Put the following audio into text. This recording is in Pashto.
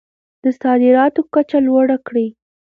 د صادراتو کچه لوړه کړئ.